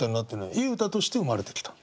いい歌として生まれてきたんだ。